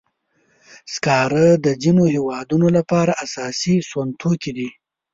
سکاره د ځینو هېوادونو لپاره اساسي سون توکي دي.